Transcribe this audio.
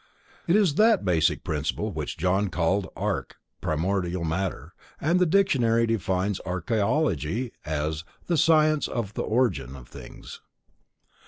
It is that basic principle which John called arche:—primordial matter,—and the dictionary defines Archeology as: "the science of the origin (arche) of things."